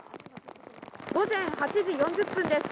午前８時４０分です。